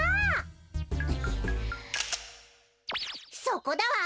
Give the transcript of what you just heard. そこだわ！